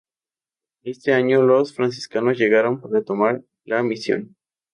Ese año, los franciscanos llegaron para tomar la misión.